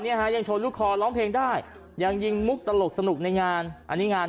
ฮะยังโชว์ลูกคอร้องเพลงได้ยังยิงมุกตลกสนุกในงานอันนี้งาน